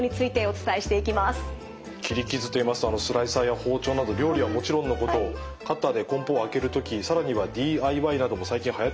切り傷といいますとスライサーや包丁など料理はもちろんのことカッターで梱包を開ける時更にはＤＩＹなども最近はやってますからね。